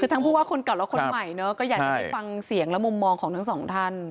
คือทั้งผู้ว่าคนเก่าและคนใหม่เนอะก็อยากจะไปฟังเสียงและมุมมองของทั้งสองท่าน